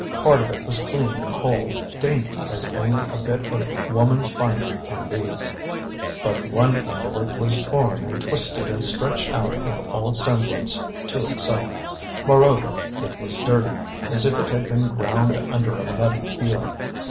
Part of it was clean and whole, dainty as only a bit of woman's finery can be; but one end of it was torn and twisted and stretched out of all semblance to itself. Moreover, it was dirty, as if it had been ground under a muddy heel.